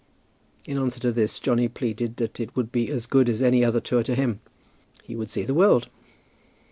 In answer to this, Johnny pleaded that it would be as good as any other tour to him. He would see the world.